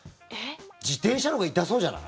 自転車のほうが痛そうじゃない？